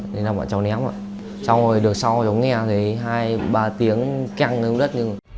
thế là bọn cháu ném ạ cháu ngồi đường sau cháu nghe thấy hai ba tiếng keng lên đất